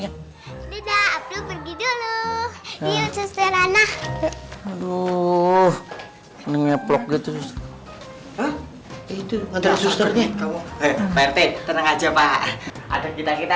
ya tidak pergi dulu yuk susterana aduh ini ngeplok gitu itu ngetik susternya kamu